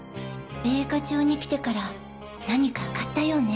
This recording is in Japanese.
米花町に来てから何か買ったようね。